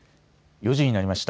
４時になりました。